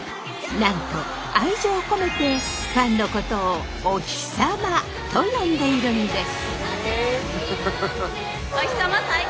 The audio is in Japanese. なんと愛情を込めてファンのことを「おひさま」と呼んでいるんです。